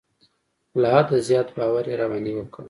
له حده زیات باور یې را باندې وکړ.